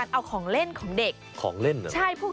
เอาของเล่นของเด็ก